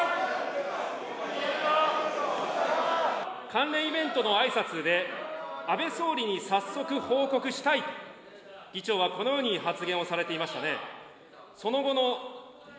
関連イベントのあいさつで、安倍総理に早速報告したい、議長はこのように発言をされていましたね。